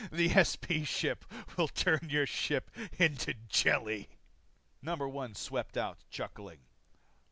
"The SP ship will turn your ship into jelly." No. 1 swept out, chuckling.